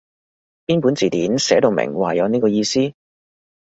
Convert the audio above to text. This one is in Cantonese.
邊本字典寫到明話有呢個意思？